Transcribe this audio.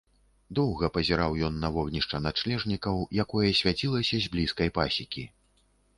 Доўга пазіраў ён на вогнішча начлежнікаў, якое свяцілася з блізкай пасекі.